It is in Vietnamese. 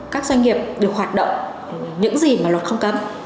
các doanh nghiệp được hoạt động những gì mà luật không cấm